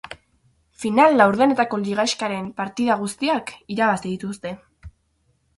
Final-laurdenetako ligaxkaren partida guztiak irabazi dituzte.